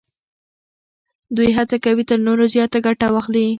دوی هڅه کوي تر نورو زیاته ګټه واخلي